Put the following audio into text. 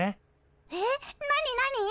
えっ何何！？